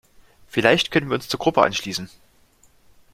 Vielleicht können wir uns der Gruppe anschließen.